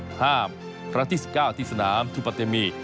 คราวที่๑๙ที่สนามทุพธิมี